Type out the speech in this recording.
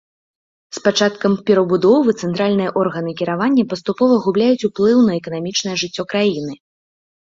З пачаткам перабудовы цэнтральныя органы кіравання паступова губляюць уплыў на эканамічнае жыццё краіны.